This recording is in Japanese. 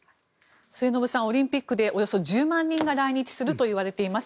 末延さんオリンピックでおよそ１０万人が来日するといわれています。